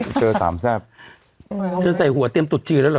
เจอสามแซ่บเธอใส่หัวเตรียมตุดจีนแล้วเหรอ